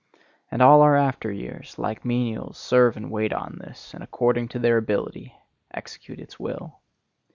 And all our after years, like menials, serve and wait on this, and according to their ability execute its will.